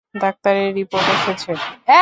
ডাক্তারের রিপোর্ট এসেছে।